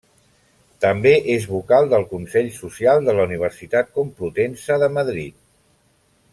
També és vocal del Consell Social de la Universitat Complutense de Madrid.